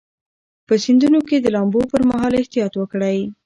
په سیندونو کې د لامبو پر مهال احتیاط وکړئ.